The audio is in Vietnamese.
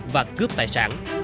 và cướp tài sản